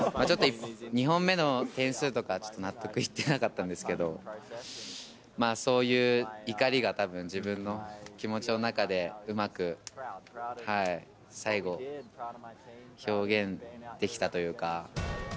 ちょっと２本目の点数とか、ちょっと納得いってなかったんですけど、まあそういう怒りが、たぶん自分の気持ちの中で、うまく最後、表現できたというか。